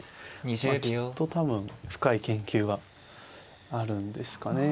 まあきっと多分深い研究があるんですかね。